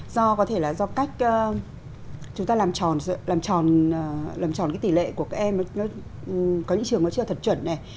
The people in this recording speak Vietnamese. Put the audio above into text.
do có thể là do cách chúng ta làm tròn tỷ lệ của các em có những trường nó chưa thật chuẩn này